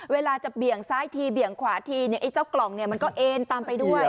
เวลาจะเบี่ยงซ้ายทีเบี่ยงขวาทีเนี่ยไอ้เจ้ากล่องเนี่ยมันก็เอ็นตามไปด้วย